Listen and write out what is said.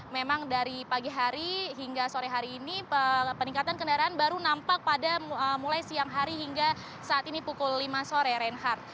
memang dari pagi hari hingga sore hari ini peningkatan kendaraan baru nampak pada mulai siang hari hingga saat ini pukul lima sore reinhardt